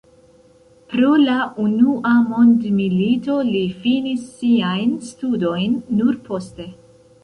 Pro la unua mondmilito li finis siajn studojn nur poste.